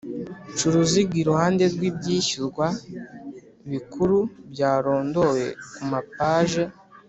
Ca uruziga iruhande rw ibyishyurwa bikuru byarondowe ku mapaje